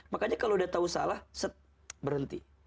makanya kalau udah tahu salah berhenti